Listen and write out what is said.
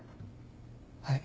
はい。